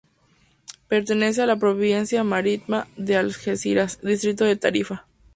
Pertenece a la provincia marítima de Algeciras, distrito de Tarifa.